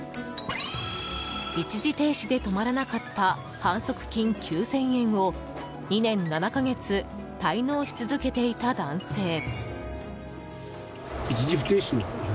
一時停止で止まらなかった反則金９０００円を２年７か月滞納し続けていた男性。